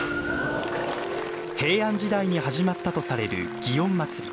平安時代に始まったとされる祇園祭。